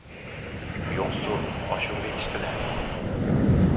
يوقسۇ! ئاشۇرۇۋېتىشتىلە!